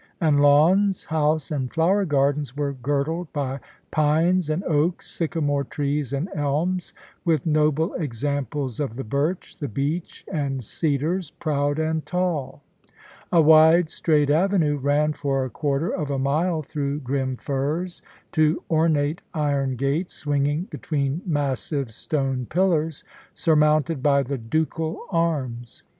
And lawns, house, and flower gardens were girdled by pines and oaks, sycamore trees and elms, with noble examples of the birch, the beech, and cedars, proud and tall. A wide, straight avenue ran for a quarter of a mile through grim firs to ornate iron gates swinging between massive stone pillars, surmounted by the ducal arms.